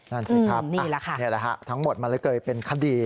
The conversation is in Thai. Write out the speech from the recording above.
นั่นสิครับนี่แหละค่ะนี่แหละฮะทั้งหมดมันเลยเกิดเป็นคดี